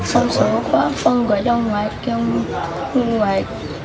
hôm sau quá ông gọi cho ông ngoại kêu ông ngoại